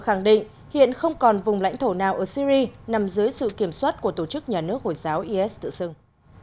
khẳng định hiện không còn vùng lãnh thổ nào ở syri nằm dưới sự kiểm soát của tổ chức nhà nước hồi giáo is tự xưng